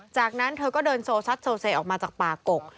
จากนั้นเธอก็เดินโซซัดโซเซออกมาจากป่ากก